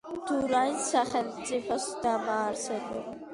დურანის სახელმწიფოს დამაარსებელი.